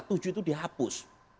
tujuh itu dihapus